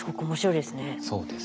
そうですね。